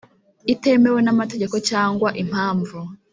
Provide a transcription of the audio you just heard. itemewe n amategeko cyangwa impamvu